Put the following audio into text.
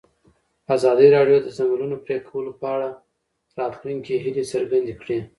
ازادي راډیو د د ځنګلونو پرېکول په اړه د راتلونکي هیلې څرګندې کړې.